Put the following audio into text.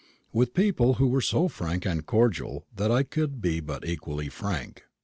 With people who were so frank and cordial I could but be equally frank.